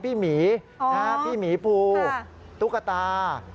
พี่มีพี่หมีพูตุ๊กตา